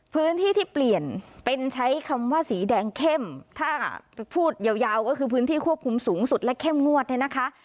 พื้นที่ที่เปลี่ยนเป็นใช้คำว่าสีแดงเข้มถ้าพูดยาวก็คือพื้นที่ควบคุมสูงสุดและเข้มงวดเนี่ยนะคะ